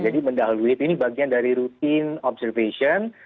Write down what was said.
jadi mendahului ini bagian dari rutin observation